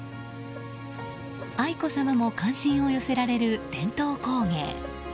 愛子さまも関心を寄せられる伝統工芸。